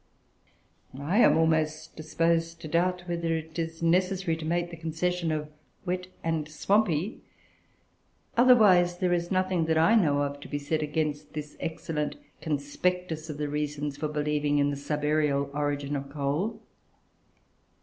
I am almost disposed to doubt whether it is necessary to make the concession of "wet and swampy"; otherwise, there is nothing that I know of to be said against this excellent conspectus of the reasons for believing in the subaërial origin of coal.